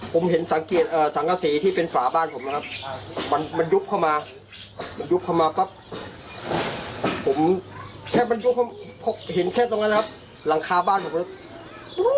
ผมเห็นสังเกตสังกษีที่เป็นฝาบ้านผมนะครับมันมันยุบเข้ามามันยุบเข้ามาปั๊บผมแค่มันยุบเห็นแค่ตรงนั้นนะครับหลังคาบ้านผมครับ